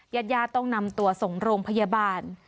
ญาติญาติต้องนำตัวส่งโรงพยาบาล